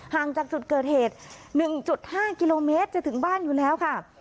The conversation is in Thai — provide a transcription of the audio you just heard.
ห่างจากจุดเกิดเหตุ๑๕กิโลเมตรจะถึงบ้านอยู่แล้วค่ะ